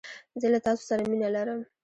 زه له تاسو سره مينه لرم